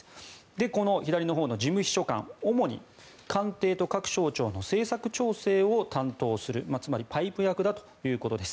この左の事務秘書官主に官邸と各省庁の政策調整を担当するつまりパイプ役だということです。